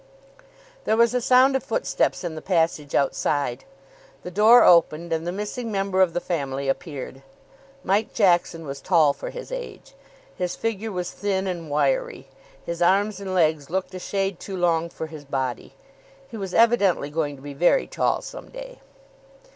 There was a sound of footsteps in the passage outside. The door opened, and the missing member of the family appeared. Mike Jackson was tall for his age. His figure was thin and wiry. His arms and legs looked a shade too long for his body. He was evidently going to be very tall some day.